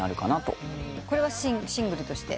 これはシングルとして？